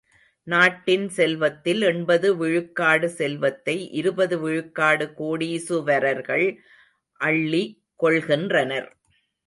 நாட்டின் செல்வத்தில் எண்பது விழுக்காடு செல்வத்தை இருபது விழுக்காடு கோடீசுவரர்கள் அள்ளி கொள்கின்றனர்.